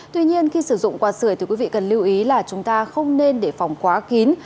tuy nhiên khi sử dụng quả sửa thì quý vị cần lưu ý là chúng ta không nên để phòng quá kín